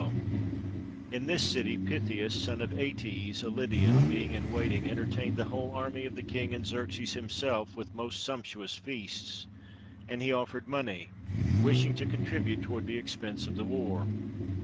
3SO XERXES SETS OUT TO CONQUER GREECE In this city Pythius, son of Atys, a Lydian, being in waiting, entertained the whole army of the king and Xerxes himself with most sumptuous feasts; and he offered money, wishing to contribute toward the expense of the war.